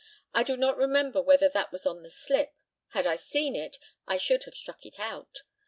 I do not remember whether that was on the slip. Had I seen it, I should have struck it out.